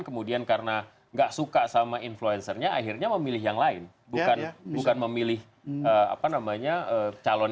kemudian karena nggak suka sama influencernya akhirnya memilih yang lain bukan bukan memilih apa namanya calon